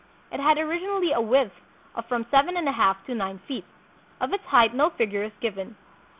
It had originally a width of from seven and a half to nine feet. Of its height no figure is given.